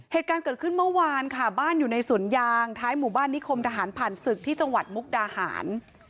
เหตุการณ์เกิดขึ้นเมื่อวานค่ะบ้านอยู่ในสวนยางท้ายหมู่บ้านนิคมทหารผ่านศึกที่จังหวัดมุกดาหาร